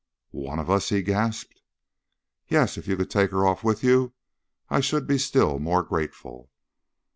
"One of us?" he gasped. "Yes if you could take her off with you I should be still more grateful."